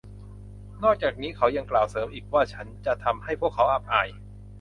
นอกจากนี้เขายังกล่าวเสริมอีกว่า ฉันจะทำให้พวกเขาอับอาย